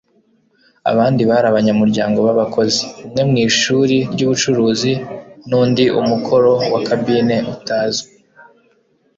Abandi bari abanyamuryango b'abakozi: umwe mu ishuri ry'ubucuruzi n'undi umukoro wa kabine utazwi